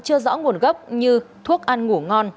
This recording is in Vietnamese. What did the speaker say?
chưa rõ nguồn gốc như thuốc ăn ngủ ngon